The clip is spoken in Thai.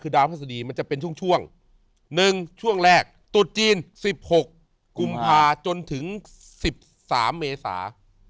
คือดาวพรรษดีมันจะเป็นช่วงช่วงหนึ่งช่วงแรกตรวจจีนสิบหกกุมภาพจนถึงสิบสามเมษา